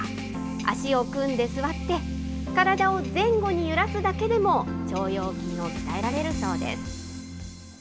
足を組んで座って、体を前後に揺らすだけでも、腸腰筋を鍛えられるそうです。